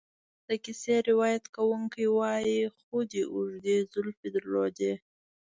د کیسې روایت کوونکی وایي خدۍ اوږدې زلفې درلودې.